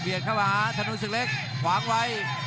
เบียดเข้ามาชนุดสุดเล็กขวางไว้